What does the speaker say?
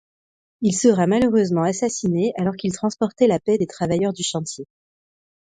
Il sera malheureusement assassiné alors qu'il transportait la paie des travailleurs du chantier.